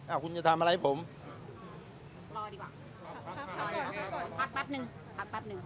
อ้าวคุณจะทำอะไรให้ผมรอดีกว่ารอดีกว่าพักนึงพักนึง